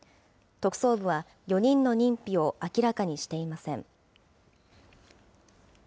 特捜部は、４人の認否を明らかにしていません。